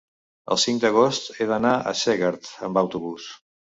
El cinc d'agost he d'anar a Segart amb autobús.